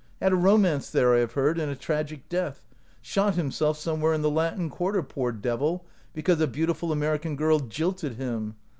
Had a romance there, I have heard, and a tragic death — shot him self somewhere in the Latin Quarter, poor devil, because a beautiful American girl jilted him.